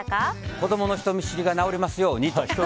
子供の人見知りが直りますようにと。